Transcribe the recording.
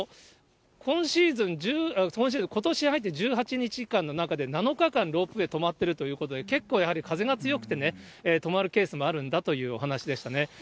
今シーズン、ことし入って１８日間の中で、７日間ロープウエー止まってるということで、結構やはり風が強くてね、止まるケースもあるんだというお話しでしたね。